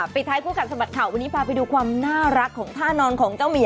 ปิดท้ายคู่กัดสะบัดข่าววันนี้พาไปดูความน่ารักของท่านอนของเจ้าหมี